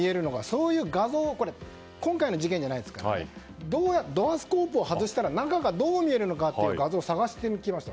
そういう画像を今回の事件じゃないですがドアスコープを外したら中がどう見えるのかという画像を探してきました。